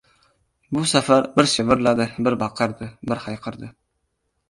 Bu safar bir shivirladi, bir baqirdi, bir hayqirdi: